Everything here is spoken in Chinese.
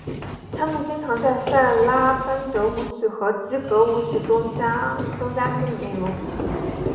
他们经常在萨拉班德舞曲和基格舞曲中增加新的内容。